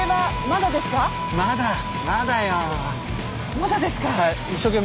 まだですか？